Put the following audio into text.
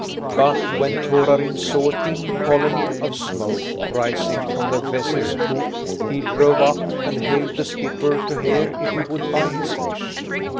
But when Torarin saw a thin column of smoke rising from the vessel's poop he drove up and hailed the skipper to hear if he would buy his fish.